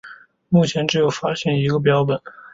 目前只有发现一个标本。